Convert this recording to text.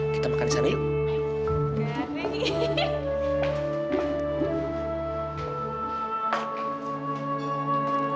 kita makan di sana yuk